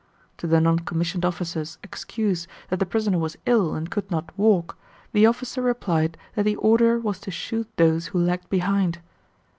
To the noncommissioned officer's excuse that the prisoner was ill and could not walk, the officer replied that the order was to shoot those who lagged behind.